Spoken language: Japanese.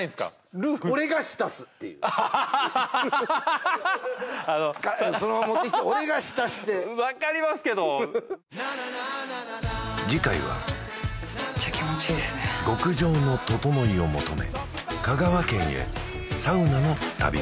ルー俺が浸すっていうそのまま持ってきて俺が浸して分かりますけど次回はメッチャ気持ちいいですね極上のととのいを求め